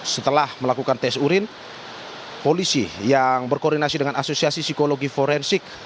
setelah melakukan tes urin polisi yang berkoordinasi dengan asosiasi psikologi forensik apsifor melakukan tes sikis kepada korban